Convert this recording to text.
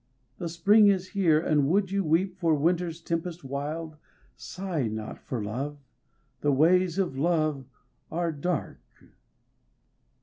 the Spring is here And would you weep for Winter's tempest wild Sigh not for love, the ways of love are dark!